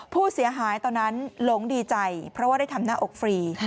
ผู้เสียหายตอนนั้นหลงดีใจเพราะว่าได้ทำหน้าอกฟรี